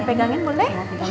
mau pegangin boleh